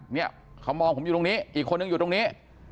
เนี่ยเขามองผมอยู่ตรงนี้อีกคนนึงอยู่ตรงนี้